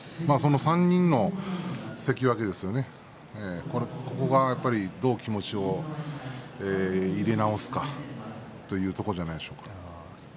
３人の関脇ですよね、ここがどう気持ちを入れ直すかというところじゃないでしょうか。